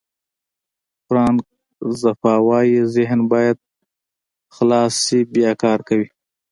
فرانک زفا وایي ذهن باید خلاص شي بیا کار کوي.